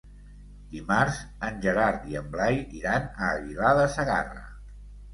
Dimarts en Gerard i en Blai iran a Aguilar de Segarra.